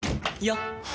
よっ！